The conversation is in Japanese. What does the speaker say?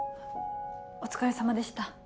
お疲れさまでした。